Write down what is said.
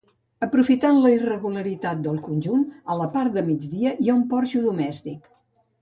Aprofitant la irregularitat del conjunt, a la part de migdia hi ha un porxo domèstic.